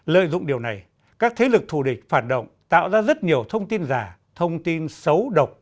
lợi dụng điều này các thế lực thù địch phản động tạo ra rất nhiều thông tin giả thông tin xấu độc